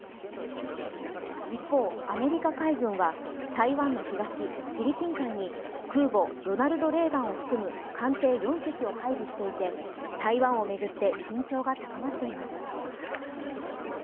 一方、アメリカ海軍は台湾の東、フィリピン海に空母「ロナルド・レーガン」を含む艦艇４隻を配備していて、台湾を巡って緊張が高まっています。